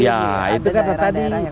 ya itu kan tadi